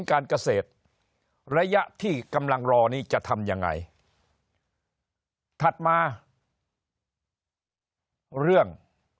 การเกษตรระยะที่กำลังรอนี้จะทำยังไงถัดมาเรื่อง